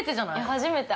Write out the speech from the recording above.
◆初めて。